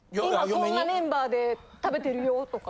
「こんなメンバーで食べてるよ」とか。